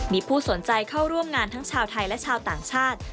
มีผู้สนใจเข้าร่วมงานทั้งชาวไทยและชาวต่างชาติ